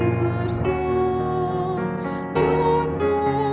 di atas bukit syurga